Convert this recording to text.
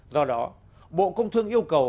do đó bộ công thương yêu cầu